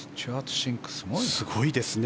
すごいですね。